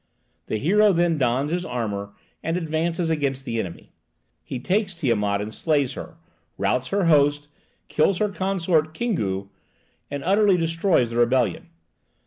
The hero then dons his armor and advances against the enemy. He takes Tiamat and slays her, routs her host, kills her consort Kingu, and utterly destroys the rebellion.